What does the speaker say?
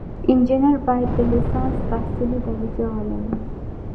انجینر باید د لیسانس تحصیلي درجه ولري.